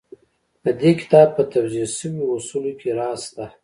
د دې کتاب په توضيح شويو اصولو کې راز شته.